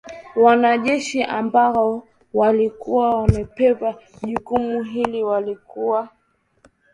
Wanajeshi ambao walikuwa wamepewa jukumu hili walikuwa